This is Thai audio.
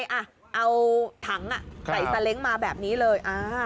นี่ไหมเอาถังไส่เซเล็งมาแบบนี้เลย